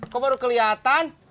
kok baru keliatan